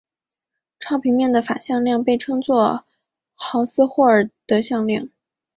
超平面的法向量被称作豪斯霍尔德向量。